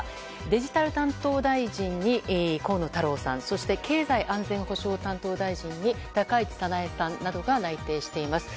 デジタル担当大臣に河野太郎さんそして経済安全保障担当大臣に高市早苗さんなどが内定しています。